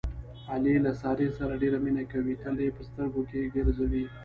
علي له سارې سره ډېره مینه کوي، تل یې په سترګو کې ګرځوي.